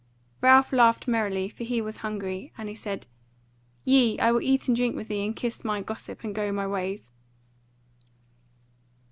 Ralph laughed merrily, for he was hungry, and he said: "Yea, I will eat and drink with thee and kiss my gossip, and go my ways."